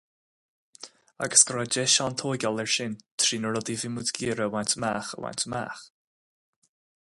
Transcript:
Agus go raibh deis ann tógáil air sin trí na rudaí a bhí muid ag iarraidh a bhaint amach, a bhaint amach.